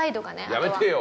やめてよ。